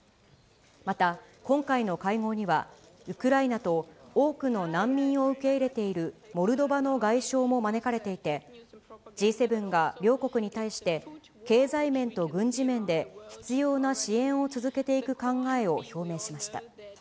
また、今回の会合には、ウクライナと多くの難民を受け入れているモルドバの外相も招かれていて、Ｇ７が両国に対して経済面と軍事面で必要な支援を続けていく考えを表明しました。